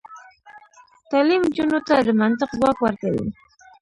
تعلیم نجونو ته د منطق ځواک ورکوي.